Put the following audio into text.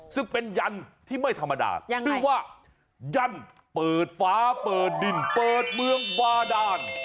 ซึ่งเป็นยันตร์ที่ไม่ธรรมดายังไงนึกว่ายันตร์เปิดฟ้าเปิดดินเปิดเมืองวาดาล